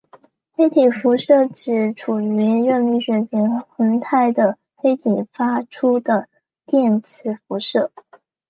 黑体辐射指处于热力学平衡态的黑体发出的电磁辐射。